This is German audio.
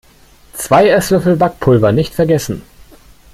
Zwei Esslöffel Backpulver nicht vergessen.